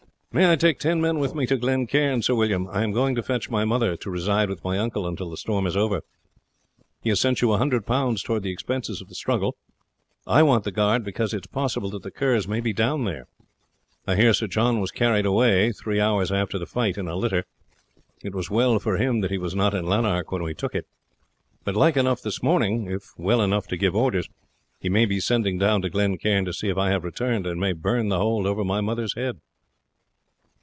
"May I take ten men with me to Glen Cairn, Sir William? I am going to fetch my mother to reside with my uncle until the storm is over. He has sent you a hundred pounds towards the expenses of the struggle. I want the guard because it is possible that the Kerrs may be down there. I hear Sir John was carried away, three hours after the fight, in a litter; it was well for him that he was not in Lanark when we took it. But like enough this morning, if well enough to give orders, he may be sending down to Glen Cairn to see if I have returned, and may burn the hold over my mother's head."